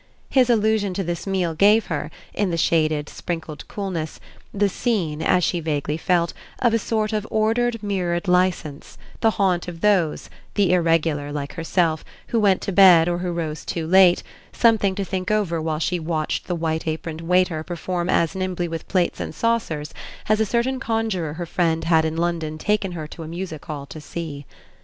His allusion to this meal gave her, in the shaded sprinkled coolness, the scene, as she vaguely felt, of a sort of ordered mirrored licence, the haunt of those the irregular, like herself who went to bed or who rose too late, something to think over while she watched the white aproned waiter perform as nimbly with plates and saucers as a certain conjurer her friend had in London taken her to a music hall to see.